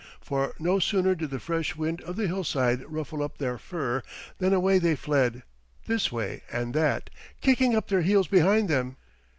For no sooner did the fresh wind of the hillside ruffle up their fur than away they fled, this way and that, kicking up their heels behind them.